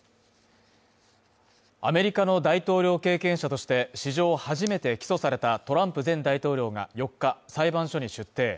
アメリカの大統領経験者として史上初めて起訴されたトランプ前大統領が４日、裁判所に出廷。